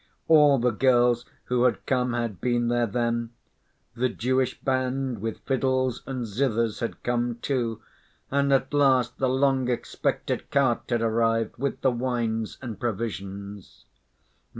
All the girls who had come had been there then; the Jewish band with fiddles and zithers had come, too, and at last the long expected cart had arrived with the wines and provisions.